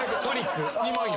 トリック。